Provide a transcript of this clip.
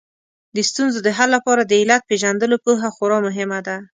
د ستونزو د حل لپاره د علت پېژندلو پوهه خورا مهمه ده